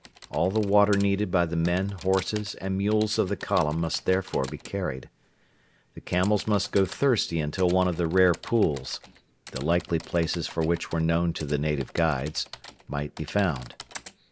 All the water needed by the men, horses, and mules of the column must therefore be carried. The camels must go thirsty until one of the rare pools the likely places for which were known to the native guides might be found.